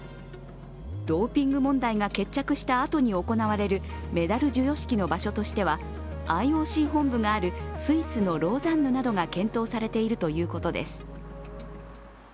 ドーピング問題が決着したあとに行われるメダル授与式の場所としてはＩＯＣ本部があるスイスのローザンヌなどが検討されているということです。